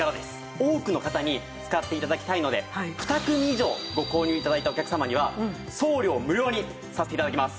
多くの方に使って頂きたいので２組以上ご購入頂いたお客様には送料無料にさせて頂きます。